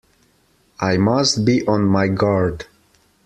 I must be on my guard!